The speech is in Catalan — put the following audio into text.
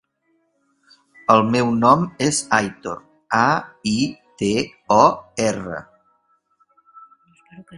El meu nom és Aitor: a, i, te, o, erra.